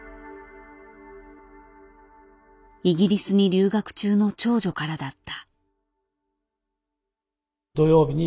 イギリスに留学中の長女からだった。